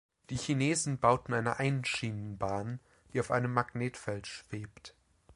Die Chinesen bauten eine Einschienenbahn, die auf einem Magnetfeld schwebt.